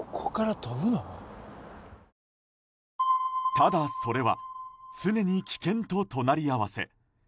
ただそれは常に危険と隣り合わせ。